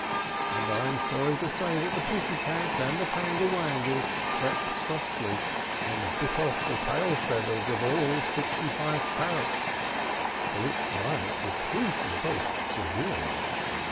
And I am sorry to say that the Pussy Cat and the Quangle Wangle crept softly, and bit off the tail feathers of all the sixty five parrots; for which Violet reproved them both severely.